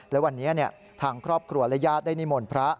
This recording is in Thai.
และวันนี้ทางครอบครัวและญาติได้นิมนต์พระ